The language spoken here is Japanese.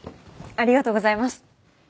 ありがとうございます。